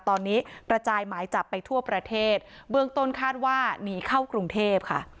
ตอนนี้กระจายหมายจับไปทั่วประเทศเบื้องต้นคาดว่าหนีเข้ากรุงเทพค่ะ